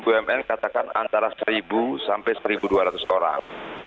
bumn katakan antara satu sampai satu dua ratus orang